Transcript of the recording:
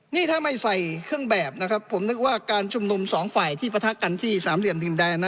นี่ถ้าไม่ใส่เครื่องแบบนะครับผมนึกว่าการชุมนุมสองฝ่ายที่ประทะกันที่สามเหลี่ยมดินแดงนะ